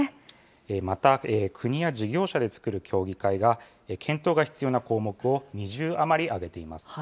また、国や事業者で作る協議会が、検討が必要な項目を２０余り挙げています。